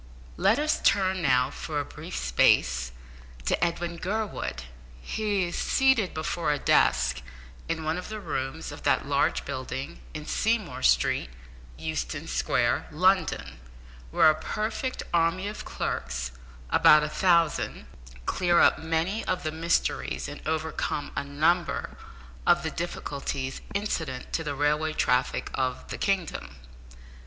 Let us turn now, for a brief space, to Edwin Gurwood. He is seated before a desk in one of the rooms of that large building in Seymour Street, Euston Square, London, where a perfect army of clerks about a thousand clear up many of the mysteries, and overcome a number of the difficulties, incident to the railway traffic of the kingdom.